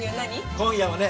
今夜はね